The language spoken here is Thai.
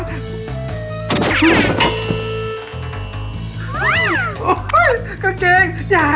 พี่ถึกจ้าชายหญิงอยู่ในห้องด้วยกันซะ